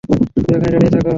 শুধু এখানেই দাঁড়িয়ে থাকো।